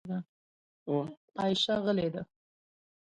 عایشه غلې ده .